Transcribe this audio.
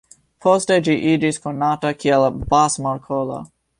Poste ĝi iĝis konata kiel Bass-Markolo.